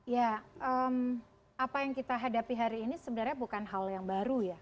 ya apa yang kita hadapi hari ini sebenarnya bukan hal yang baru ya